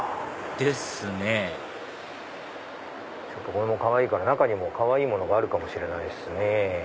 ですねこれもかわいいから中にもあるかもしれないですね。